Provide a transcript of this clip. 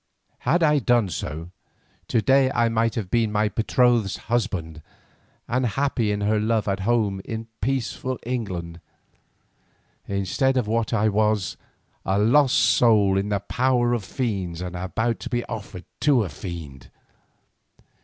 Had I done so, to day I might have been my betrothed's husband and happy in her love at home in peaceful England, instead of what I was, a lost soul in the power of fiends and about to be offered to a fiend.